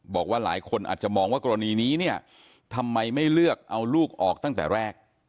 บอกว่าหลายคนอาจจะมองว่ากรณีนี้เนี่ยทำไมไม่เลือกเอาลูกออกตั้งแต่แรก